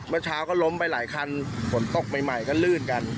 เมื่อเช้าก็ล้มไปหลายคันฝนตกใหม่ก็ลื่นกัน